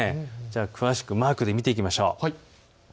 詳しくマークで見ていきましょう。